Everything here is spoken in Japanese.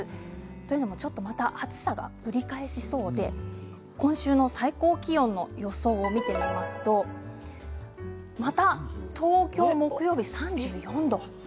というのも、ちょっとまた暑さがぶり返しそうで今週の最高気温の予想を見てみますとまた東京、木曜日３４度。